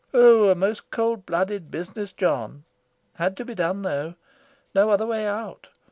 Oh, a most cold blooded business, John! Had to be done, though. No other way out.